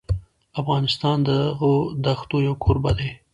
افغانستان د دغو دښتو یو کوربه دی.